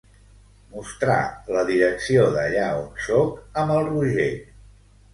Mostrar la direcció d'allà on soc amb el Roger.